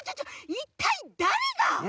いったいだれが？